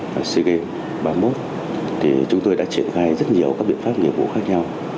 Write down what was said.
và sea games ba mươi một thì chúng tôi đã triển khai rất nhiều các biện pháp nghiệp vụ khác nhau